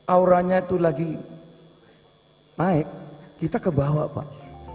auranya itu lagi naik kita kebawa pak